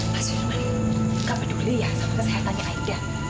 mas firman kamu peduli ya sama kesehatannya aida